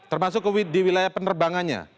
termasuk di wilayah penerbangannya